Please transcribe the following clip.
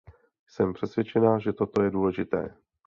Jsem přesvědčena, že toto je důležité.